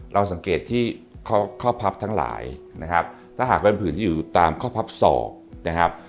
เราสังเกตที่ข้อพับทั้งหลายนะครับถ้าหากเป็นผืนที่อยู่ตามข้อพับศอกนะครับ